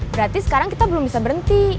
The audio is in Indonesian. berarti sekarang kita belum bisa berhenti